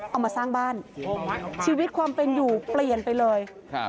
เอามาสร้างบ้านชีวิตความเป็นอยู่เปลี่ยนไปเลยครับ